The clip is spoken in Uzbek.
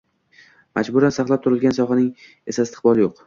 Majburan saqlab turilgan sohaning esa istiqboli yo‘q.